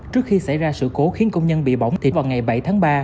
trước khi xảy ra sự cố khiến công nhân bị bỏng thì vào ngày bảy tháng ba